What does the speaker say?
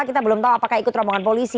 kita belum tahu apakah ikut rombongan polisi